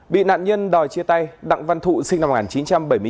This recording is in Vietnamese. bị nạn nhân đòi chia tay đặng văn thụ sinh năm một nghìn chín trăm bảy mươi chín